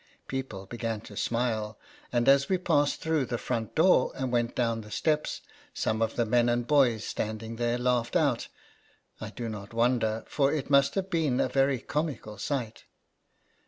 People began to smile, and as we passed through the front door, and went down the steps, some of the men and boys standing there laughed out. I do not wonder ; for it must have been a very comical sight.